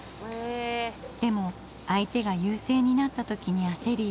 でも相手が優勢になった時に焦り